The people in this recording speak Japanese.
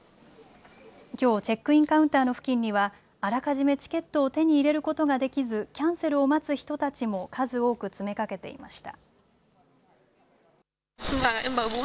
きょうチェックインカウンターの付近にはあらかじめチケットを手に入れることができずキャンセルを待つ人たちも数多く詰めかけていました。